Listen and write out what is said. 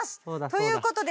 ということで。